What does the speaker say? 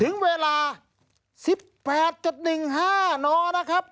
ถึงเวลา๑๘๑๕นนะครับ